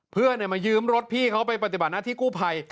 เพื่อนมายืมรถพี่เขาไปปฏิบัติหน้าที่กู้ภัย